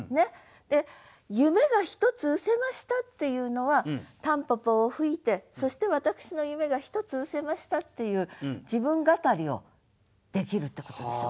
で「夢が一つ失せました」っていうのは蒲公英を吹いてそして私の夢が一つ失せましたっていう自分語りをできるってことでしょ。